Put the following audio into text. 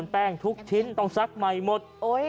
แป้งทุกชิ้นต้องซักใหม่หมด